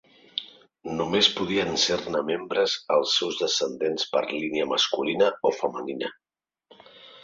Només podien ser-ne membres els seus descendents per línia masculina o femenina.